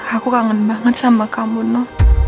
aku kangen banget sama kamu no